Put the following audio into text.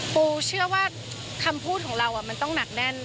ปูเชื่อว่าคำพูดของเรามันต้องหนักแน่น